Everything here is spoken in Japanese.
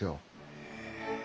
へえ。